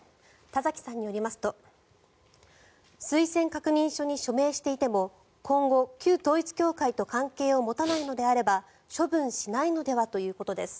田崎さんによりますと推薦確認書に署名していても今後、旧統一教会と関係を持たないのであれば処分しないのではということです。